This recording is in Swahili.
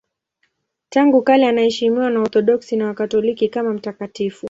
Tangu kale anaheshimiwa na Waorthodoksi na Wakatoliki kama mtakatifu.